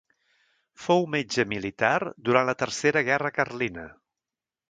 Fou metge militar durant la Tercera Guerra Carlina.